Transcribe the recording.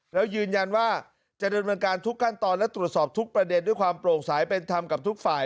แล้วยืนยันว่าจะดำเนินการทุกขั้นตอนและตรวจสอบทุกประเด็นด้วยความโปร่งสายเป็นธรรมกับทุกฝ่าย